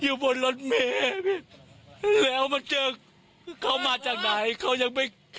อยู่บนรถเมย์แล้วมาเจอเขามาจากไหนเขายังไม่